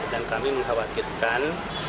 dan kami mengkhawatirkan